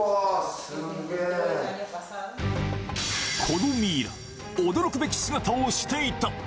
このミイラ驚くべき姿をしていた！